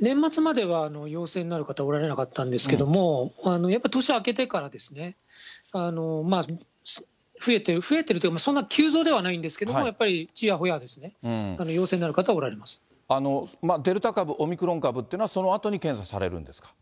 年末までは陽性になる方、おられなかったんですけれども、やっぱ、年明けてからですね、増えて、増えてるというか、そんな急増ではないんですけども、やっぱりちらほら、陽性になる方、デルタ株、オミクロン株っていうのはそのあとに検査されるんですか？